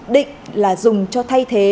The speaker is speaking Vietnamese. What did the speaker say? định là dùng cho thay thế